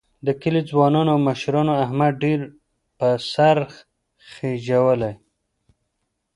د کلي ځوانانو او مشرانو احمد ډېر په سر خېجولی